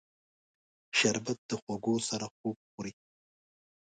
شربت د خوږو سره خوږ خوري